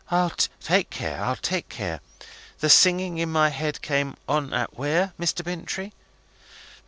"I'll take care. I'll take care. The singing in my head came on at where, Mr. Bintrey?"